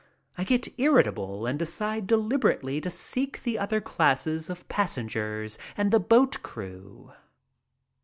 I get irritable and decide deliberately to seek the other classes of passengers and the boat crew.